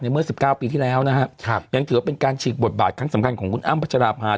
เมื่อ๑๙ปีที่แล้วนะครับยังถือว่าเป็นการฉีกบทบาทครั้งสำคัญของคุณอ้ำพัชราภา